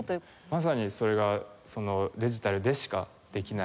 まさにそれがデジタルでしかできない事で。